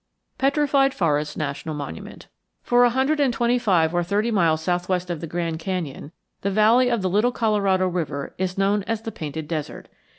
PETRIFIED FOREST NATIONAL MONUMENT For a hundred and twenty five or thirty miles southwest of the Grand Canyon, the valley of the Little Colorado River is known as the Painted Desert.